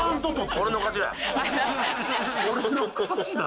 俺の勝ちだ！